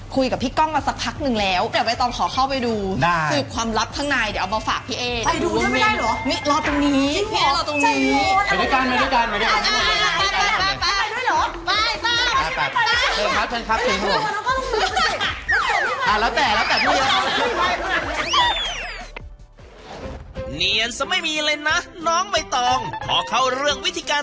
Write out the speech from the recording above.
คุณผู้ชมคะวันนี้บอกเลยว่า